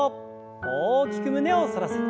大きく胸を反らせて。